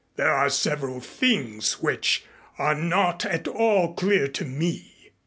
There are several things which are not at all clear to me.